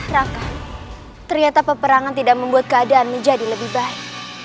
raka ternyata peperangan tidak membuat keadaan menjadi lebih baik